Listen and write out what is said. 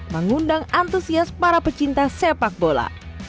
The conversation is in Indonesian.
mengundang antusias para pecinta sepak bola